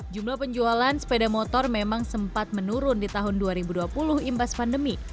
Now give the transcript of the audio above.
jumlah penjualan sepeda motor memang sempat menurun di tahun dua ribu dua puluh imbas pandemi